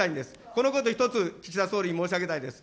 このこと一つ、岸田総理に申し上げたいです。